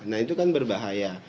nah itu kan berbahaya